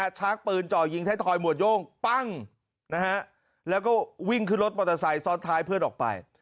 เนรัฐฉากปืนจ่อยยิงไทยถอยหมวดโย่งแล้ววิ่งขึ้นรถมอเตอร์ไซค์ซอสท้ายเพื่อนออกไป